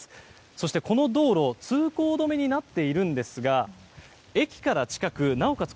そして、この道路通行止めになっているんですが駅から近く、なおかつ